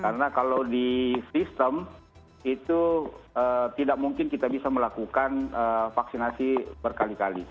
karena kalau di sistem itu tidak mungkin kita bisa melakukan vaksinasi berkali kali